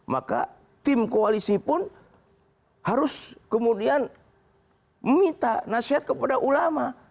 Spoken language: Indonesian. maka tim koalisi pun harus kemudian minta nasihat kepada ulama